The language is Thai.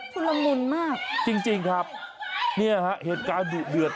ผู้ละมุนมากจริงครับนี่เหตุการณ์เดือด